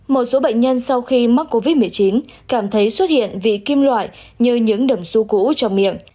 một số bệnh nhân sau khi mắc covid một mươi chín cảm thấy xuất hiện vị kim loại như những đầm su cũ cho miệng